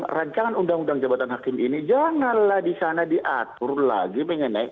karena sekarang undang undang jabatan hakim ini janganlah di sana diatur lagi mengenai